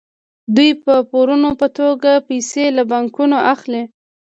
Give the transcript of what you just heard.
دوی د پورونو په توګه پیسې له بانکونو اخلي